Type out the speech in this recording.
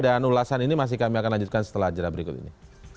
dan ulasan ini masih kami akan lanjutkan setelah ajaran berikut ini